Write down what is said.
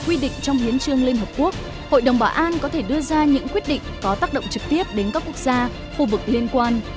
quyết định có tác động trực tiếp đến các quốc gia khu vực liên quan